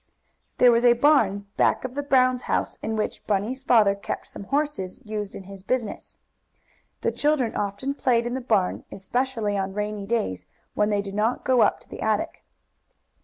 There was a barn back of the Brown house, in which Bunny's father kept some horses used in his business. The children often played in the barn, especially on rainy days, when they did not go up to the attic.